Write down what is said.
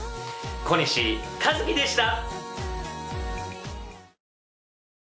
小西一紀でした！